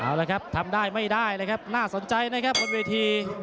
เอาละครับทำได้ไม่ได้เลยครับน่าสนใจนะครับบนเวที